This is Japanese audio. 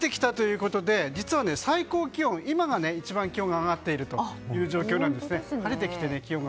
晴れてきたということで実は最高気温今が一番、気温が上がっている状況なんですね。